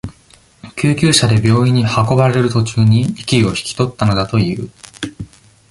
救急車で病院に運ばれる途中に、息を引き取ったのだという。